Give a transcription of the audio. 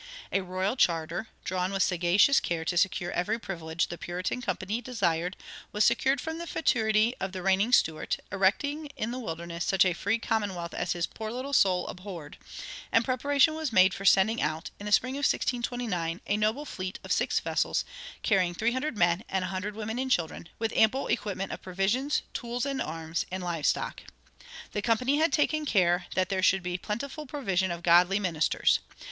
A royal charter, drawn with sagacious care to secure every privilege the Puritan Company desired, was secured from the fatuity of the reigning Stuart, erecting in the wilderness such a free commonwealth as his poor little soul abhorred; and preparation was made for sending out, in the spring of 1629, a noble fleet of six vessels, carrying three hundred men and a hundred women and children, with ample equipment of provisions, tools and arms, and live stock. The Company had taken care that there should be "plentiful provision of godly ministers."